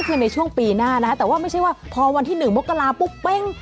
คือในช่วงปีหน้านะคะแต่ว่าไม่ใช่ว่าพอวันที่๑มกราปุ๊บเป้ง